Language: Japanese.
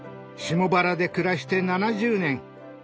下原で暮らして７０年。